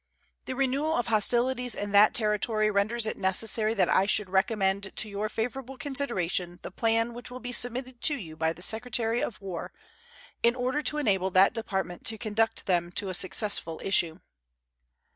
The renewal of hostilities in that Territory renders it necessary that I should recommend to your favorable consideration the plan which will be submitted to you by the Secretary of War, in order to enable that Department to conduct them to a successful issue.